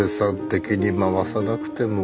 敵に回さなくても。